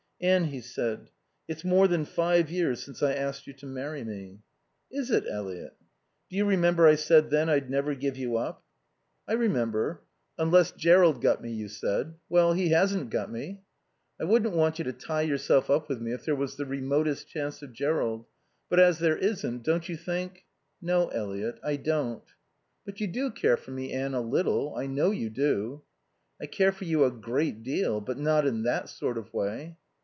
"Anne," he said, "it's more than five years since I asked you to marry me." "Is it, Eliot?" "Do you remember I said then I'd never give you up?" "I remember. Unless Jerrold got me, you said. Well, he hasn't got me." "I wouldn't want you to tie yourself up with me if there was the remotest chance of Jerrold; but, as there isn't, don't you think " "No, Eliot, I don't." "But you do care for me, Anne, a little. I know you do." "I care for you a great deal; but not in that sort of way."